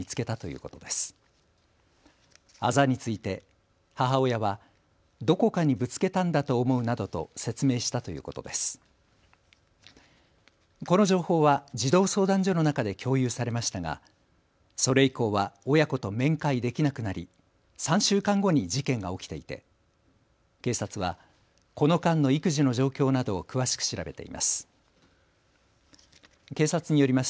この情報は児童相談所の中で共有されましたがそれ以降は親子と面会できなくなり３週間後に事件が起きていて警察はこの間の育児の状況などを詳しく調べています。